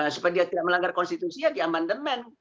supaya dia tidak melanggar konstitusi ya diaman demen